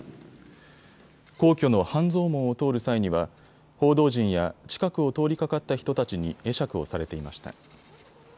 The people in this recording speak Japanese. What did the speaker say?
皇居の半蔵門を通る際には報道陣や近くを通りかかった人たちに会釈をされていました。